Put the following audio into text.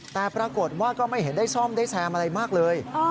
แต่ปรากฏว่าก็ไม่เห็นได้ซ่อมได้แซมอะไรมากเลย